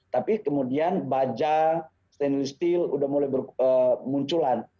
tapi kemudian baja stainless steel sudah mulai bermunculan